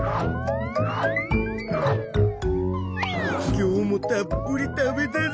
今日もたっぷり食べたぞ！